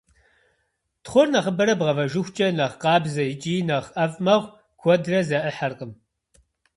Тхъур нэхъыбэрэ бгъэвэжыхукӏэ, нэхъ къабзэ икӏи нэхъ ӏэфӏ мэхъу, куэдрэ зэӏыхьэркъым.